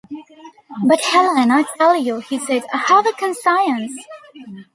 "But Helene, I tell you," he said, "I have a conscience."